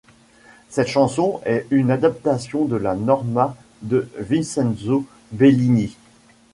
Cette chanson est une adaptation de la Norma de Vincenzo Bellini.